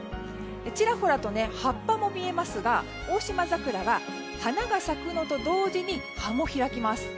ちらほらと葉っぱも見えますがオオシマザクラは花が咲くのと同時に葉も開きます。